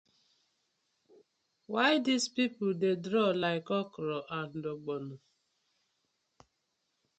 Why dis pipu dey draw like okra and ogbono.